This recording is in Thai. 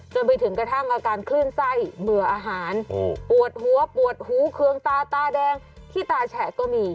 จนไปถึงกระทั่งอาการคลื่นไส้เบื่ออาหารปวดหัวปวดหูเคืองตาตาแดงที่ตาแฉะก็มี